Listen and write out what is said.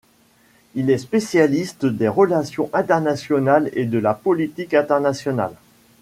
Il est spécialiste des relations internationales et de la politique internationale.